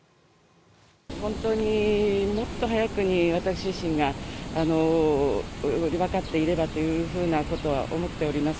本当にもっと早くに私自身がわかっていればということは思っております。